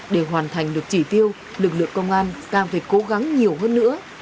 để hoàn thành được chỉ tiêu lực lượng công an càng phải cố gắng nhiều hơn nữa